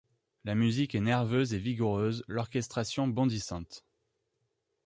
La musique est nerveuse et vigoureuse, l’orchestration bondissante.